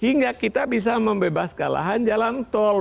sehingga kita bisa membebaskan lahan jalan tol